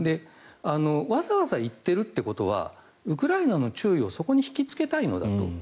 わざわざ言ってるということはウクライナの注意をそこに引きつけたいのだと。